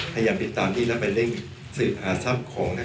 พยายามติดตามที่แล้วไปเร่ง